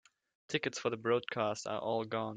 Tickets for the broadcast are all gone.